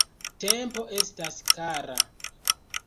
Tempo estas kara.